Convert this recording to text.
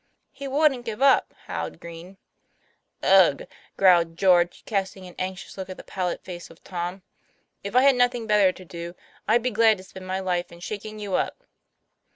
' He wouldn't give up," howled Green. "Ugh!" growled George, casting an anxious look at the pallid face of Tom. " If I had nothing better to do, I'd be glad to spend my life in shaking you up.